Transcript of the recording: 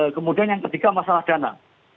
kemudian yang ketiga masalah dana